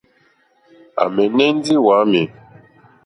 À mɛ̀nɛ́ ndí wàámì.